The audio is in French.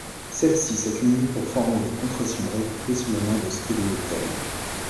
Celle-ci s'accumule pour former des concrétions regroupées sous le nom de spéléothème.